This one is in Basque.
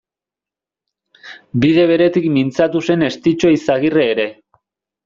Bide beretik mintzatu zen Estitxu Eizagirre ere.